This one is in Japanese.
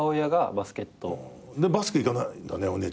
バスケいかないんだねお姉ちゃんね。